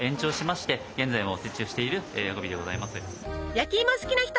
焼きいも好きな人？